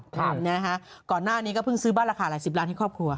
ครับนะฮะก่อนหน้านี้ก็เพิ่งซื้อบ้านราคาหลายสิบล้านให้ครอบครัว